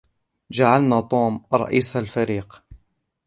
جعلنا توم رئيس الفريق